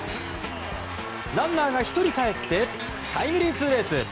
ランナーが１人かえってタイムリーツーベース！